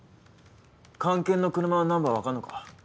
菅研の車はナンバー分かんのか？